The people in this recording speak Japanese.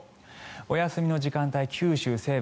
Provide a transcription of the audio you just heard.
お休みの時間帯、九州西部